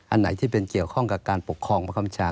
อันไหนที่เป็นเกี่ยวข้องกับการปกครองประคำชา